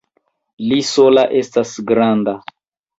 Li sola estas granda!